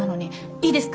いいですか？